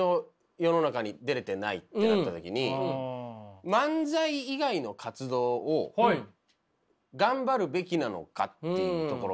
世の中に出れてないってなった時に漫才以外の活動を頑張るべきなのかっていうところがあって。